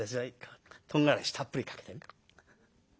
とんがらしたっぷりかけて。